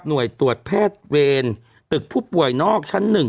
ตรวจแพทย์เวรตึกผู้ป่วยนอกชั้นหนึ่ง